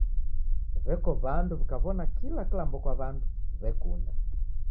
W'eko w'andu w'ikawona kila kilambo kwa wandu w'ekunda.